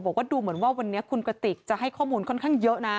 บอกว่าดูเหมือนว่าวันนี้คุณกระติกจะให้ข้อมูลค่อนข้างเยอะนะ